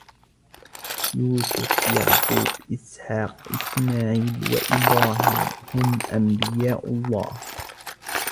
يوسف، يعقوب، إسحاق، إسماعيل و إبراهيم هم أنبياء الله.